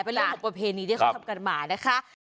เป็นเรื่องของประเพณีที่เขาทำกันมานะคะ